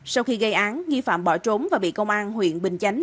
sau khi gây án nghi phạm bỏ trốn và bị công an huyện bình chánh